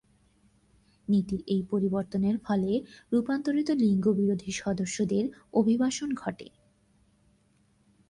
নীতির এই পরিবর্তনের ফলে রূপান্তরিত লিঙ্গ বিরোধী সদস্যদের অভিবাসন ঘটে।